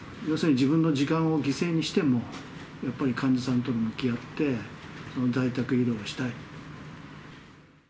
要するに、自分の時間を犠牲にしても、やっぱり患者さんと向き合って、在宅医療をしたい。